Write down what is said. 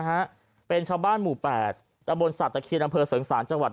ฮะเป็นชาวบ้านหมู่๘ระบวนสัตว์ตะเคียนอำเภอเสริงสาหรรค์จังหวัด